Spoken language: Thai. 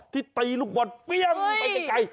ที่ตีลูกบอลเปรี้ยงไปไกล